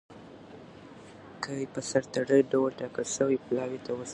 کي په سر تړلي ډول ټاکل سوي پلاوي ته وسپاري.